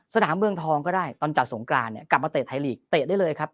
เมืองทองก็ได้ตอนจัดสงกรานเนี่ยกลับมาเตะไทยลีกเตะได้เลยครับ